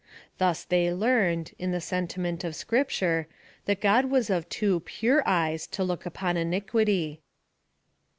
Thus they learned, in the senti ment of Scripture, that God was of too pure eyes to look upon iniquity.